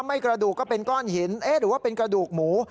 ถ้าไม่กระดูกก็เป็นก้อนหินหรือว่าเป็นกระดูกหมู